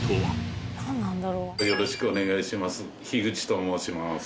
よろしくお願いします。